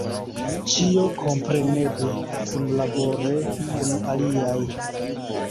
Ĉio kompreneble kunlabore kun aliaj.